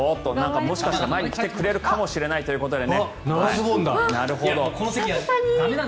もしかしたら前に来てくれるかもしれないということで。